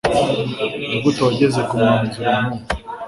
Nigute wageze ku mwanzuro nk'uwo?